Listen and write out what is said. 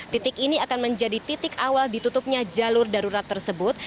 titik ini akan menjadi titik awal ditutupnya jalur darurat tersebut